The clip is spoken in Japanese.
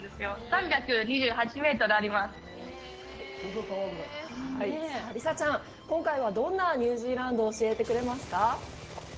さあリサちゃん、今回はどんなニュージーランドを教えてくれますか？